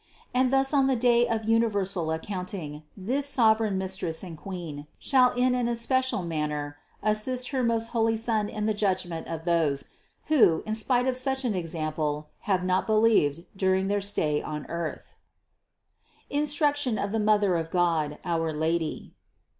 And thus on the day of universal accounting this sovereign Mistress and Queen shall in an especial manner assist her most holy Son in the judgment of those, who, in spite of such an ex ample, have not believed during their stay on earth. THE CONCEPTION 387 INSTRUCTION OF THE MOTHER OF GOD, OUR LADY.